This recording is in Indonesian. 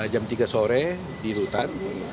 jam tiga sore di rutan